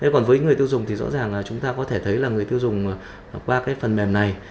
còn với người tiêu dùng thì rõ ràng là chúng ta có thể thấy là người tiêu dùng qua cái phần mềm này